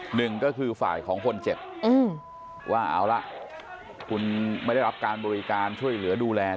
หนึ่งก็คือฝ่ายของคนเจ็บว่าเอาละคุณไม่ได้รับการบริการช่วยเหลือดูแล